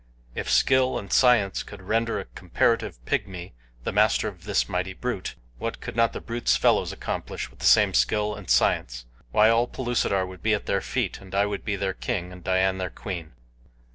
If skill and science could render a comparative pygmy the master of this mighty brute, what could not the brute's fellows accomplish with the same skill and science. Why all Pellucidar would be at their feet and I would be their king and Dian their queen.